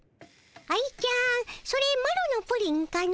愛ちゃんそれマロのプリンかの。